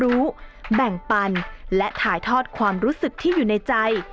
แบ่งปันและถ่ายทอดความรู้สึกที่อยู่ในใจ